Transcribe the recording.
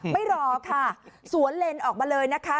ไม่รอค่ะสวนเลนออกมาเลยนะคะ